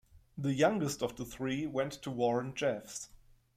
The youngest of the three went to Warren Jeffs.